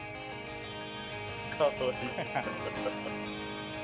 かわいい。